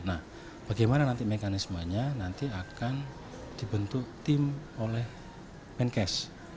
nah bagaimana nanti mekanismenya nanti akan dibentuk tim oleh menkes